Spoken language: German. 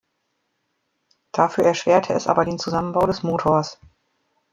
Dafür erschwerte es aber den Zusammenbau des Motors.